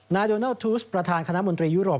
นายดูนัลด์ทูศประธานคณะมนตรียุโรป